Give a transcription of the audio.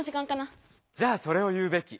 じゃあそれを言うべき！